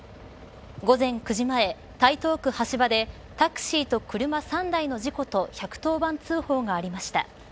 午前９時前、台東区橋場でタクシーと車３台の事故と１１０番通報がありました。